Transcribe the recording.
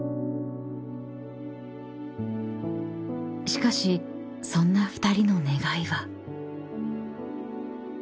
［しかしそんな２人の願いは］